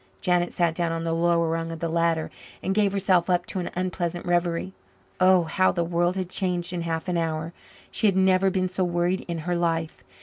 Janet sat down on the lower rung of the ladder and gave herself up to an unpleasant reverie. Oh, how the world had changed in half an hour! She had never been so worried in her life.